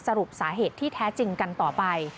สรุปสาเหตุที่แท้จริงกันต่อไป